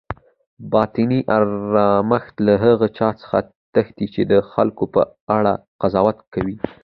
باطني آرامښت له هغه چا څخه تښتي چی د خلکو په اړه قضاوت کوي